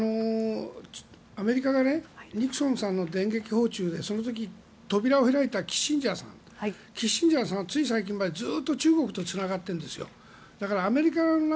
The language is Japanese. アメリカがニクソンさんの電撃訪中の時扉を開いたキッシンジャーさんがつい最近まで、ずっと中国とつながってるんです。